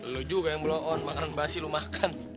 lu juga yang blow on makanan basi lu makan